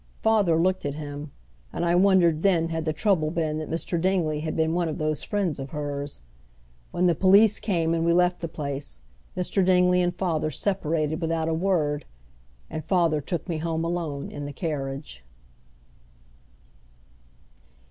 Father looked at him, and I wondered then had the trouble been that Mr. Dingley had been one of those friends of hers. When the police came and we left the place, Mr. Dingley and father separated without a word, and father took me home alone in the carriage.